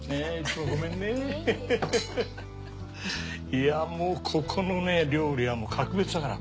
いやもうここのね料理は格別だから。